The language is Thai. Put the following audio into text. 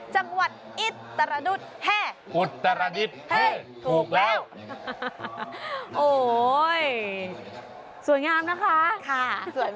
จังหวัดอิฎตรดุจให้อุตรดิศให้ถูกแล้วโอ้ยสวยงามนะคะค่ะสวยไหมคะ